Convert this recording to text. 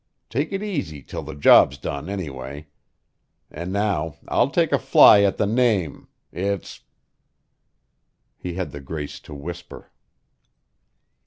Take it easy till the job's done, anyway. And now I'll take a fly at the name. It's " He had the grace to whisper.